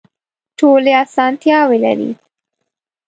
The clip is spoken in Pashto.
ټولې اسانتیاوې لري.